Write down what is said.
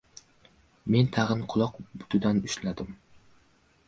Men tag‘in uloq butidan ushladim.